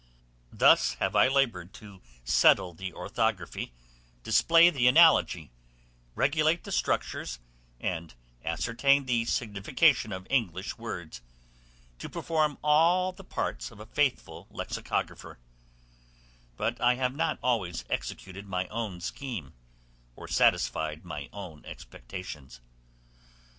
Thus have I labored by settling the orthography, displaying the analogy, regulating the structures, and ascertaining the signification of English words, to perform all the parts of a faithful lexicographer: but I have not always executed my own scheme, or satisfied my own expectations.